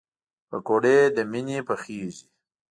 پکورې له مینې پخېږي